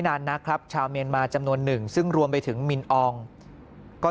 นานนักครับชาวเมียนมาจำนวนหนึ่งซึ่งรวมไปถึงมินอองก็